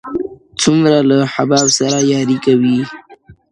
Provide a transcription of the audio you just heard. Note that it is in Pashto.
څومره له حباب سره ياري کوي،